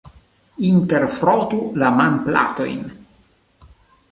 Interfrotu la manplatojn.